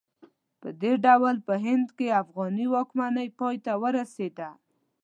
په دې ډول په هند کې افغاني واکمنۍ پای ته ورسېده.